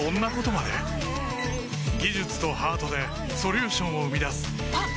技術とハートでソリューションを生み出すあっ！